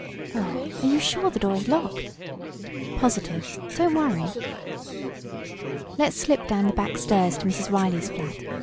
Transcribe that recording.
Oh, are you sure the door is locked?" "Positive. Don't worry." "Let's slip down the back stairs to Mrs. Reilley's flat.